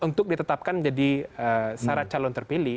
untuk ditetapkan menjadi syarat calon terpilih